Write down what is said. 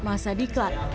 saat masa dikat